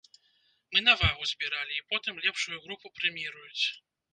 Мы на вагу збіралі, і потым лепшую групу прэміруюць.